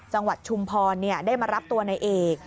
จังหวัดชุมพรได้มารับตัวในเอก